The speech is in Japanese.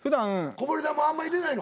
こぼれ球あんま入れないの？